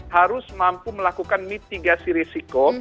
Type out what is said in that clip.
harus mampu melakukan mitigasi risiko